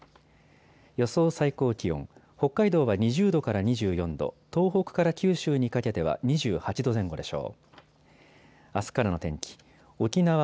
予想最高気温、北海道は２０度から２４度、東北から九州にかけては２８度前後でしょう。